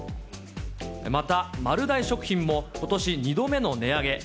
また丸大食品も、ことし２度目の値上げ。